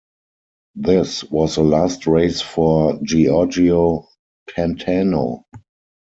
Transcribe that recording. This was the last race for Giorgio Pantano.